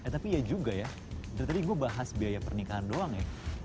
tapi ya juga ya dari tadi gue bahas biaya pernikahan doang ya